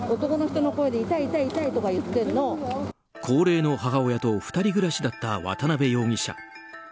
高齢の母親と２人暮らしだった渡辺容疑者。